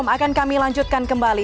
akan kami lanjutkan kembali